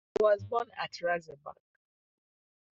He was born at Ratzeburg.